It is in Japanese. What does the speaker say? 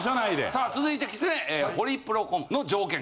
さあ続いてきつねホリプロコムの条件